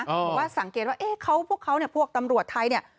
บอกว่าสังเกตว่าพวกเขาเนี่ยพวกตำรวจไทยเนี่ย